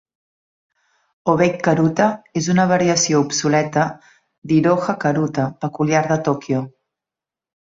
"Obake karuta" és una variació obsoleta d'Iroha Karuta peculiar de Tòquio.